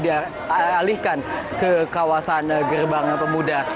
di alihkan ke kawasan gerbang pemuda